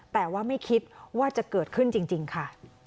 แต่ว่าไม่คิดว่าจะเกิดขึ้นจริงค่ะ